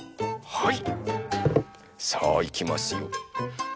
はい。